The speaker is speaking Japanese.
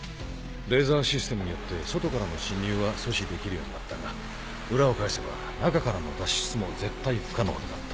レーザーシステムによって外からの侵入は阻止できるようになったが裏を返せば中からの脱出も絶対不可能になった。